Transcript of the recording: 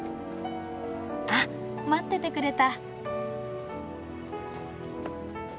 あっ待っててくれた。